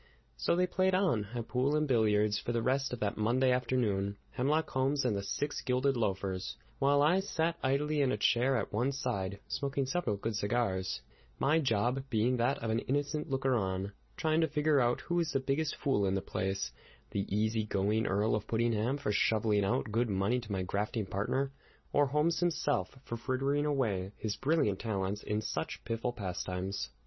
So they played on, at pool and billiards, for the rest of that Monday afternoon, Hemlock Holmes and the six gilded loafers, while I sat idly in a chair at one side, smoking several good cigars, my job being that of an innocent looker on, trying to figure out who was the biggest fool in the place, the easy going Earl of Puddingham, for shoveling out good money to my grafting partner, or Holmes himself, for frittering away his brilliant talents in such piffle pastimes.